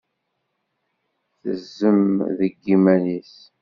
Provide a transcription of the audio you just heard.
Tezzem deg yiman-is.